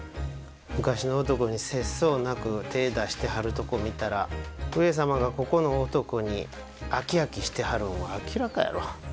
昔の男に節操なく手ぇ出してはるとこ見たら上様がここの男に飽き飽きしてはるんは明らかやろ？